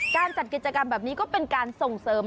การจัดกิจกรรมแบบนี้ก็เป็นการส่งเสริม